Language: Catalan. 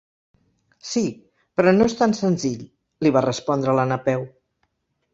Sí, però no és tan senzill —li va respondre la Napeu—.